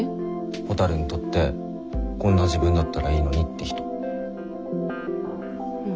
ほたるにとって「こんな自分だったらいいのに」って人。